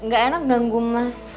gak enak ganggu mas